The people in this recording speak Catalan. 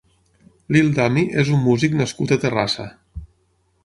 Lildami és un músic nascut a Terrassa.